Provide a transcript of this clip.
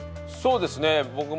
そうですね。